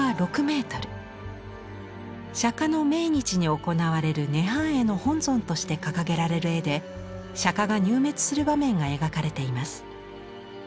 釈迦の命日に行われる「涅槃会」の本尊として掲げられる絵で釈迦が入滅する場面が描かれています。